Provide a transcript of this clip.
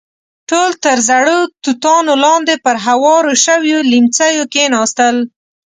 ټول تر زړو توتانو لاندې پر هوارو شويو ليمڅيو کېناستل.